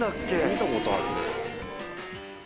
見たことあるね。